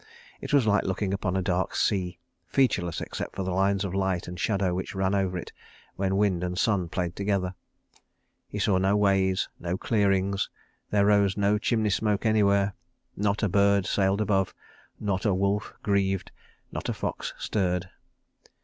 It was like looking upon a dark sea, featureless except for the lines of light and shadow which ran over it when wind and sun played together. He saw no ways, no clearings; there rose no chimney smoke anywhere. Not a bird sailed above, not a wolf grieved, not a fox stirred.